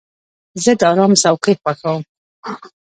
زه د آرام څوکۍ خوښوم.